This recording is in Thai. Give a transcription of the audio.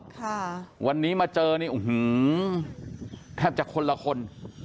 ค่ะวันนี้มาเจอนี่อื้อหือแทบจะคนละคน